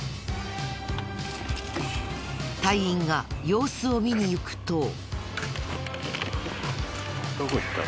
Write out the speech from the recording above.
隊員が様子を見に行くと。